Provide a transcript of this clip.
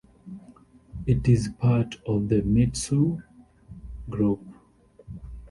It is part of the Mitsui Group.